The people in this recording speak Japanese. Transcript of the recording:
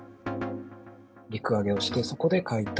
陸揚げをして、そこで解体。